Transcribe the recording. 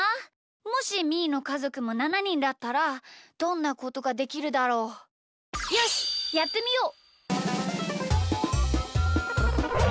もしみーのかぞくも７にんだったらどんなことができるだろう？よしやってみよう！